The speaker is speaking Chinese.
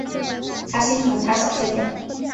他心疼小孙女